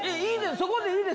そこでいいです